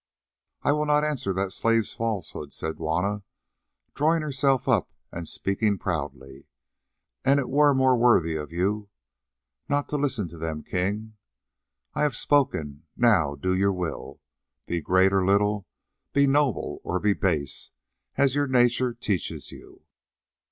"I will not answer that slave's falsehoods," said Juanna, drawing herself up and speaking proudly, "and it were more worthy of you not to listen to them, King. I have spoken; now do your will. Be great or little, be noble or be base, as your nature teaches you."